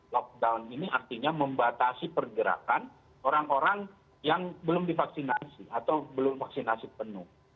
lockdown ini artinya membatasi pergerakan orang orang yang belum divaksinasi atau belum vaksinasi penuh